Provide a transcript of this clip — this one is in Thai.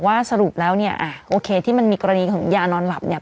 สรุปแล้วเนี่ยโอเคที่มันมีกรณีของยานอนหลับเนี่ย